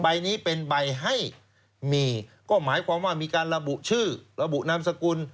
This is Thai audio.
ใบนี้เป็นใบให้มีก็หมายความว่ามีการระบุชื่อระบุนามสกุล